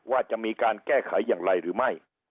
ว่าจะมีการแก้ไขอย่างไรหรือไม่